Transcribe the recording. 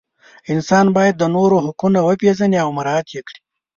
انسان باید د نورو حقونه وپیژني او مراعات کړي.